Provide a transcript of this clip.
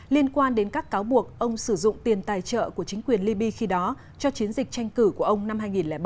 liên quan đến các cáo buộc ông sử dụng tiền tài trợ của chính quyền liby khi đó cho chiến dịch tranh cử của ông năm hai nghìn bảy